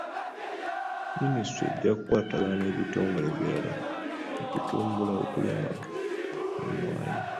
Minisitule ejja kukwatagana n'ebitongole ebirala okutumbula okulima emmwanyi.